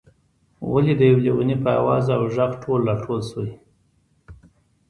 ولې د یو لېوني په آواز او غږ ټول راټول شوئ.